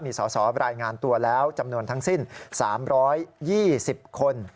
มีสอสอรายงานตัวแล้วจำนวนทั้งสิ้น๓๒๐คน